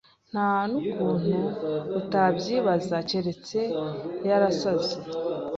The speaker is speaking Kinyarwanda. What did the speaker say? Ntanukuntu atabyibaza keretse yarasaze